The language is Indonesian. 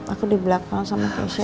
aku di belakang sama persi